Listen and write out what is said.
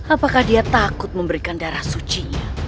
apakah dia takut memberikan darah sucinya